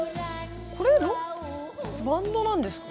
これロックバンドなんですか？